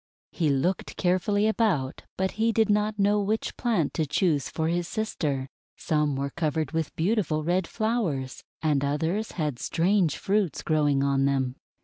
He looked carefully about, but he did not know 358 THE WONDER GARDEN which plant to choose for his sister. Some were covered with beautiful red flowers, and others had strange fruits growing on them.